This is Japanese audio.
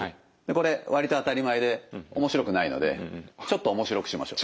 これ割と当たり前で面白くないのでちょっと面白くしましょう。